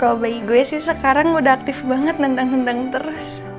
kalau bagi gue sih sekarang udah aktif banget nendang nendang terus